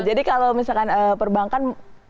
jadi kalau misalkan perbankan